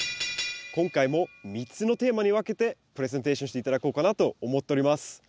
今回も３つのテーマに分けてプレゼンテーションして頂こうかなと思っております。